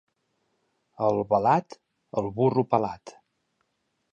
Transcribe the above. A Albalat, el burro pelat.